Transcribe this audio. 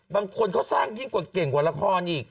บางคนเขาสร้างยิ่งกว่าเก่งกว่าละครอีก